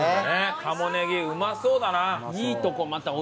鴨ねぎうまそうだな。